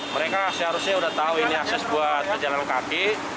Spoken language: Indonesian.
mereka seharusnya sudah tahu ini akses buat pejalan kaki